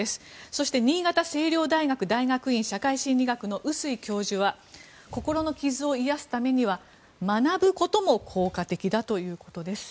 そして新潟青陵大学大学院の碓井教授は心の傷を癒やすためには学ぶことも効果的だということです。